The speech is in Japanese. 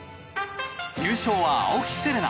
優勝は青木瀬令奈。